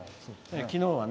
きのうはね。